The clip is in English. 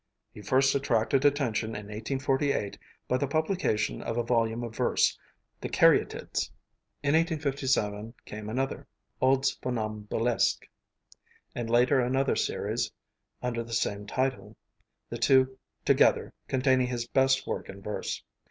He first attracted attention in 1848 by the publication of a volume of verse, 'The Caryatids.' In 1857 came another, 'Odes Funambulesque,' and later another series under the same title, the two together containing his best work in verse.